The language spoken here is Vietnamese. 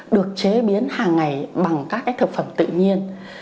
được chế biến hàng ngày bằng các thực phẩm tự nhiên